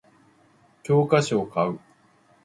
教科書を買う